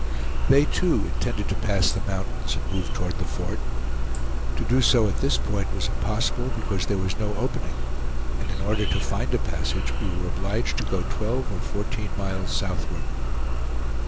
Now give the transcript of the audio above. They too, intended to pass the mountains and move toward the fort. To do so at this point was impossible, because there was no opening; and in order to find a passage we were obliged to go twelve or fourteen miles southward.